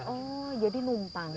oh jadi numpang